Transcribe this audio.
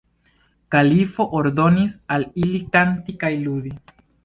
Kalifo ordonis al ili kanti kaj ludi.